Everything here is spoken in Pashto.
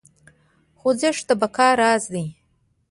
خوځښت د بقا راز دی.